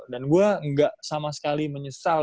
dan gue gak sama sekali menyesal